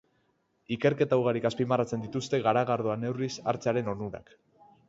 Ikerketa ugarik azpimarratzen dituzte garagardoa neurriz hartzearen onurak.